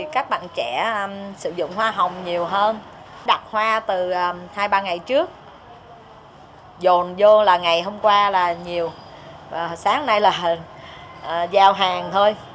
các bạn trẻ sử dụng hoa hồng nhiều hơn đặt hoa từ hai ba ngày trước dồn vô là ngày hôm qua là nhiều và sáng nay là hình giao hàng thôi